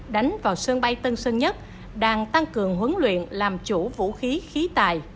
đánh vào sân bay tân sơn nhất đang tăng cường huấn luyện làm chủ vũ khí khí tài